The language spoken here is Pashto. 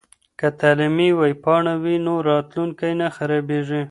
که تعلیمي ویبپاڼه وي نو راتلونکی نه خرابیږي.